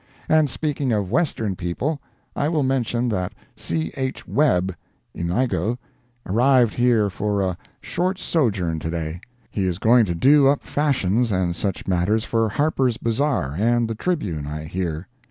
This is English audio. And speaking of Western people, I will mention that C. H. Webb ("Inigo") arrived here for a short sojourn to day. He is going to do up fashions and such matters for Harper's Bazaar and the Tribune, I hear.